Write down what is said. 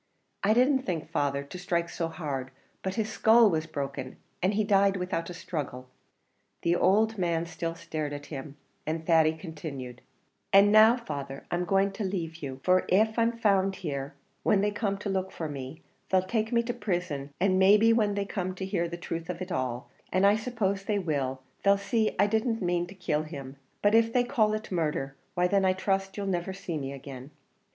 I didn't think, father, to strike so hard, but his skull was broken, and he died without a struggle." The old man still stared at him, and Thady continued, "And now, father, I am going to lave you; for av I'm found here, when they come to look for me, they'll take me to prison, and may be when they come to hear the truth of it all, and I suppose they will, they'll see I didn't mane to kill him; but if they call it murdher, why then I trust you'll niver see me agin."